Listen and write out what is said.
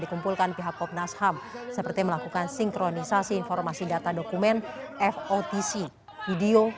dikumpulkan pihak komnas ham seperti melakukan sinkronisasi informasi data dokumen fotc video